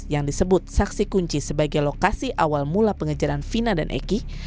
yang disebut saksi kunci sebagai lokasi awal mula pengejaran fina dan eki